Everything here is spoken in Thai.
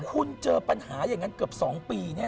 คุณเจอปัญหาอย่างนั้นเกือบ๒ปีแน่